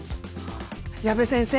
矢部先生